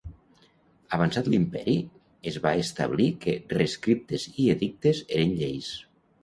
Avançat l'imperi es va establir que rescriptes i edictes eren lleis.